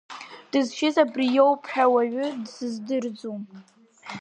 Дызшьыз абри иоуп ҳәа уаҩы дсыздырӡом.